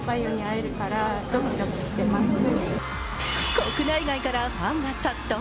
国内外からファンが殺到。